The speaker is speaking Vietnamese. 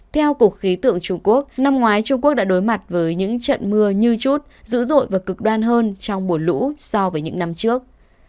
theo cục khí tượng trung quốc năm ngoái trung quốc đã đối mặt với những trận mưa như chút dữ dội và cực đoan hơn trong mùa lũ so với những năm trước